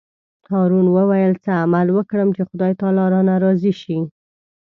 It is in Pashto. هارون وویل: څه عمل وکړم چې خدای تعالی رانه راضي شي.